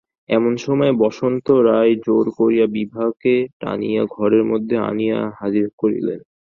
এমন সময়ে বসন্ত রায় জোর করিয়া বিভাকে টানিয়া ঘরের মধ্যে আনিয়া হাজির করিলেন।